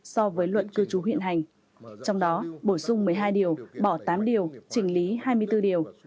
so với luận cư trú hiện hành trong đó bổ sung một mươi hai điều bỏ tám điều chỉnh lý hai mươi bốn điều